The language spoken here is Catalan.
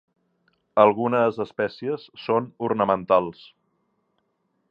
Algunes espècies són ornamentals.